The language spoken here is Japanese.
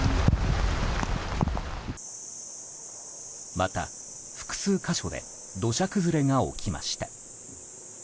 また、複数箇所で土砂崩れが起きました。